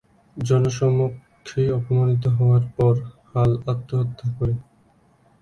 জনসমক্ষে অপমানিত হওয়ার পর হাল আত্মহত্যা করে।